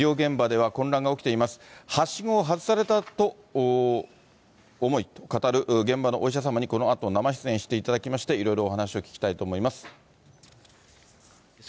はしごを外された思いと語る現場のお医者様に、このあと、生出演していただきまして、いろいろお話を聞きたいと思います。